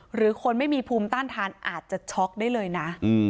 หรือคนไม่มีภูมิต้านทานอาจจะช็อกได้เลยนะ